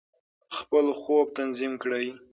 خپل خوب تنظیم کړئ.